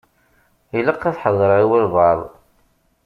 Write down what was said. Ilaq ad heḍṛeɣ i walebɛaḍ.